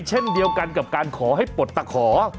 เช่นเดียวกันกับการขอให้ปลดตะขอ